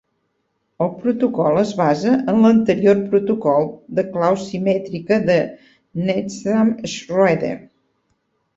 El protocol es basa en l'anterior protocol de clau simètrica de Needham-Schroeder.